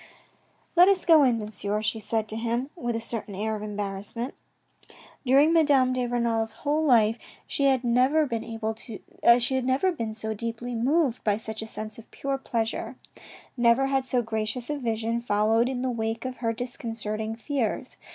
" Let us go in, Monsieur," she said to him with a certain air of embarrassment. During Madame de Renal's whole life she had never been so deeply moved by such a sense of pure pleasure. Never had so gracious a vision followed in the wake of her discon certing fears.